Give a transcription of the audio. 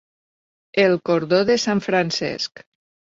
El cordó de sant Francesc.